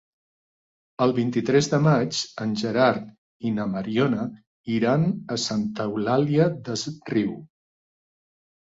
El vint-i-tres de maig en Gerard i na Mariona iran a Santa Eulària des Riu.